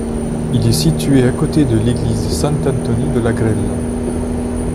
Il est situé à côté de l'église Sant Antoni de la Grella.